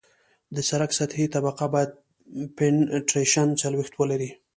د سرک سطحي طبقه باید پینټریشن څلوېښت ولري